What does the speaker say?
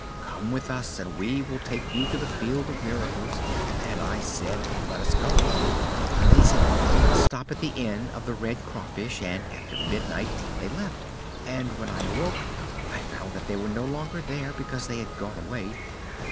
Come with us and we will take you to the Field of Miracles,' and I said: 'Let us go.' And they said: 'Let us stop at the inn of The Red Craw Fish,' and after midnight they left. And when I awoke I found that they were no longer there, because they had gone away.